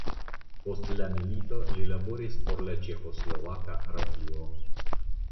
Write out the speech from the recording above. Post la milito li laboris por la Ĉeĥoslovaka radio.